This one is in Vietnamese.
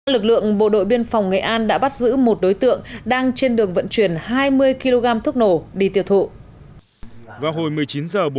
lực lượng bộ đội biên phòng nghệ an đã bắt giữ một đối tượng đang trên đường vận chuyển hai mươi kg thuốc nổ đi tiêu thụ